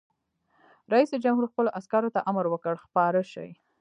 رئیس جمهور خپلو عسکرو ته امر وکړ؛ خپاره شئ!